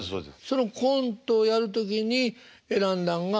そのコントをやる時に選んだんがあの。